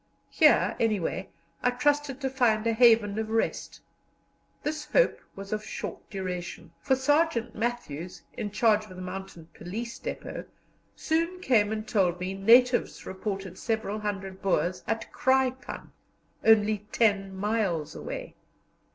Here, anyway, I trusted to find a haven of rest. This hope was of short duration, for Sergeant Matthews, in charge of the Mounted Police depôt, soon came and told me natives reported several hundred Boers at Kraipann, only ten miles away.